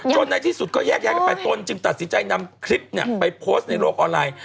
จนในที่สุดก็แยกไปตนจึงตัดสินใจนำคลิปเนี่ยไปโพสต์ในโลกออนไลน์